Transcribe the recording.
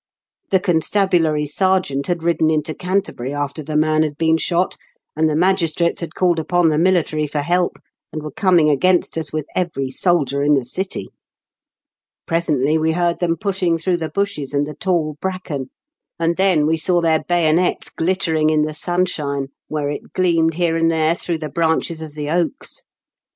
The constabulary sergeant had ridden into Canterbury, after the man had been shot, and the magistrates had called upon the military for help, and were coming against us with every soldier in the city. Presently we heard them pushing through the bushes and the tall bracken, and then we saw their bayonets glittering in the sunshine where it gleamed here and there through the branches of the oaks.